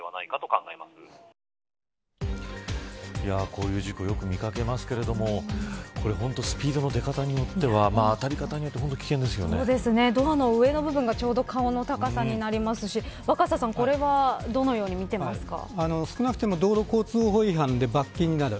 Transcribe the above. こういう事故よく見掛けますけれどスピードの出方によっては当たりドアの上の部分がちょうど顔の高さになりますし若狭さんこれはどのように見ていますか。